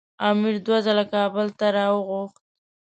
امیر دوه ځله کابل ته راوغوښت.